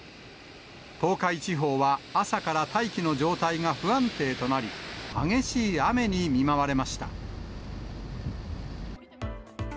東海地方は朝から大気の状態が不安定となり、激しい雨に見舞われました。